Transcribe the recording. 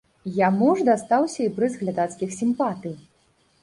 Яму ж дастаўся і прыз глядацкіх сімпатый.